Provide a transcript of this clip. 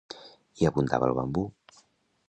Hi abundava el bambú.